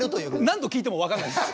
何度聞いてもわからないです。